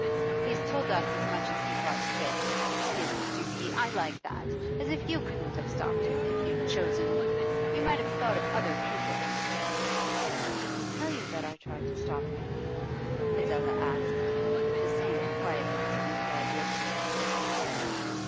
'He's told us as much as he thought fit. His duty! I like that! As if you couldn't have stopped him, if you'd chosen! You might have thought of other people.' 'Did he tell you that I tried to stop him?' Adela asked, with the same quietness of interrogation.